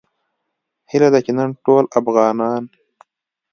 هیله ده چې نن ټول افغانان